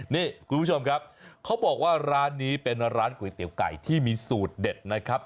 นี่คุณผู้ชมครับเขาบอกว่าร้านนี้เป็นร้านก๋วยเตี๋ยวไก่ที่มีสูตรเด็ดนะครับ